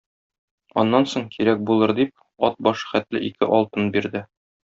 Аннан соң, кирәк булыр дип, ат башы хәтле ике алтын бирде.